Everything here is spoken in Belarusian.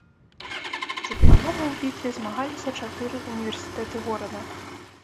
За перамогу ў бітве змагаліся чатыры ўніверсітэты горада.